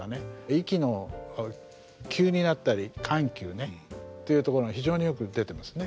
息の急になったり緩急ねっていうところが非常によく出てますね。